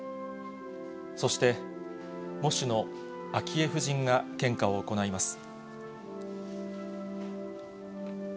そして喪主の昭恵夫人が献花を行います。